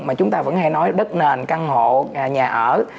mà chúng ta vẫn hay nói đất nền căn hộ nhà ở